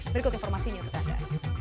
berikut informasinya untuk anda